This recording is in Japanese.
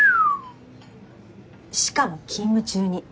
しかも勤務中に。